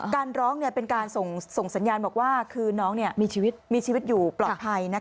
การร้องเป็นการส่งสัญญาณบอกว่าคือน้องมีชีวิตอยู่ปลอดภัย